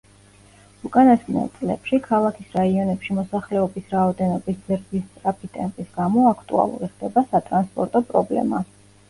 უკანასკნელ წლებში ქალაქის რაიონებში მოსახლეობის რაოდენობის ზრდის სწრაფი ტემპის გამო აქტუალური ხდება სატრანსპორტო პრობლემა.